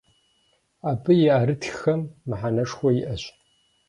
Абы и ӏэрытххэм мыхьэнэшхуэ иӏэщ.